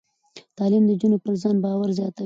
تعلیم د نجونو پر ځان باور زیاتوي.